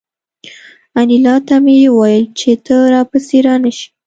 انیلا ته مې وویل چې ته را پسې را نشې